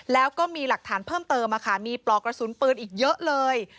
แล้วก็มีหลักฐานเพิ่มเติมมีปลอกกระสุนปืนอีกเยอะเลย